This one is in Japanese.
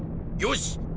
よし！